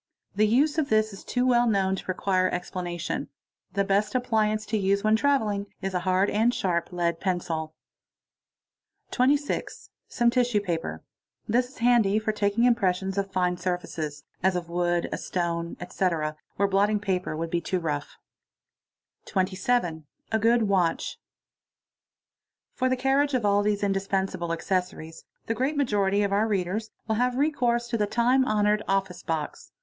The use of this is too well nown to require explanation. The best appliance to use when travel ig is a hard and sharp lead pencil. |_ 26. Some tisswe paper. This is handy for taking impressions of fine fe se8, as Of wood, a stone, etc., where blotting paper would be too a "oT. A. good witch: SE For the carriage of all these indispensable décosauries, the great majo y of our readers will have recourse to the time honoured " Office box."